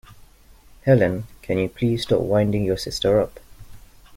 Helen, can you please stop winding your sister up?